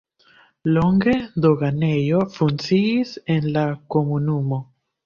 Longe doganejo funkciis en la komunumo.